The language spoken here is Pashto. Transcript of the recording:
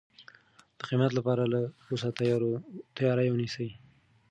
د قیامت لپاره له اوسه تیاری ونیسئ.